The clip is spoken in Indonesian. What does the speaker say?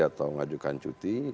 atau ngajukan cuti